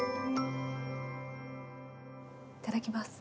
いただきます。